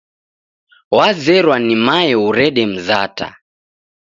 Wazerwa ni mae urede mzata.